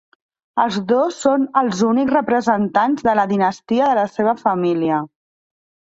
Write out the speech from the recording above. Els dos són els únics representants de la dinastia de la seva família.